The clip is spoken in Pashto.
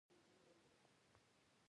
بوتل د فلمونو او نندارو برخه هم ګرځي.